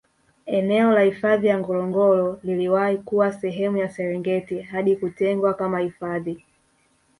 Eneo la hifadhi ya Ngorongoro liliwahi kuwa sehemu ya Serengeti hadi kutengwa kama hifadhi